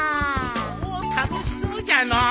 おお楽しそうじゃのう。